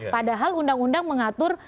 padahal undang undang mengatur